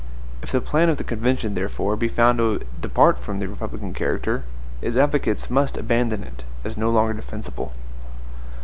If the plan of the convention, therefore, be found to depart from the republican character, its advocates must abandon it as no longer defensible.